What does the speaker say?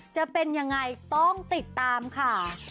จะเป็นยังไงต้องติดตามค่ะ